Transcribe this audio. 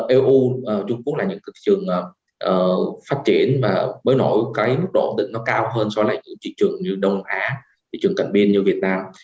eu trung quốc là những thị trường phát triển và mới nổi cái mức độ ổn định nó cao hơn so với những thị trường như đông á thị trường cận biên như việt nam